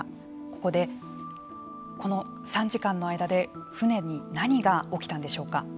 ここで、この３時間の間で船に何が起きたんでしょうか。